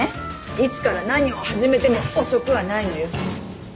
いつから何を始めても遅くはないのよ。